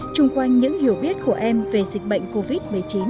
trung quanh những hiểu biết của em về dịch bệnh covid một mươi chín